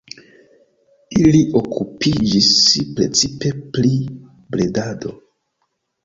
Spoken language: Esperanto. Ili okupiĝis precipe pri bredado.